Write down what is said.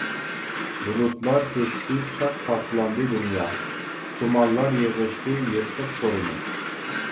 بۇلۇتلار كۆكسى چاك پاكلاندى دۇنيا، تۇمانلار يىغىشتى يىرتىق تورىنى.